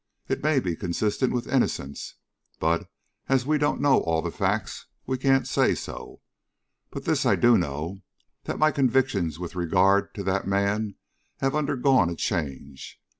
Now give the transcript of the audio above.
It may be consistent with innocence, but, as we don't know all the facts, we can't say so. But this I do know, that my convictions with regard to that man have undergone a change.